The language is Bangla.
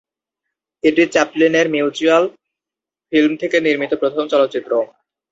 এটি চ্যাপলিনের মিউচুয়াল ফিল্ম থেকে নির্মিত প্রথম চলচ্চিত্র।